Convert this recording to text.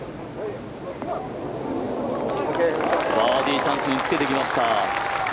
バーディーチャンスにつけてきました。